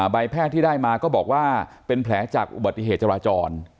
ใบแพทย์ที่ได้มาก็บอกว่าเป็นแผลจากอุบัติเหตุจราจร